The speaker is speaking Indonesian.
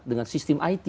dengan sistem it